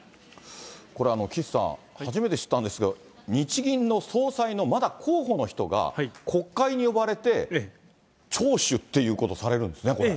これ、岸さん、初めて知ったんですけど、日銀の総裁の、まだ候補の人が、国会に呼ばれて、聴取っていうことされるんですね、これ。